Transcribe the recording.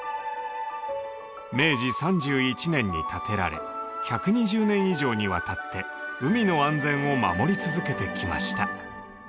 明治３１年に建てられ１２０年以上にわたって海の安全を守り続けてきました。